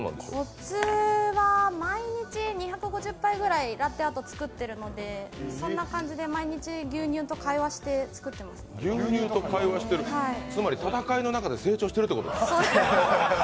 コツは毎日、２５０回ぐらいラテアート作っているので、そんな感じで毎日牛乳と会話して作っています牛乳と会話してる、つまり戦いの中で会話してるってことですか。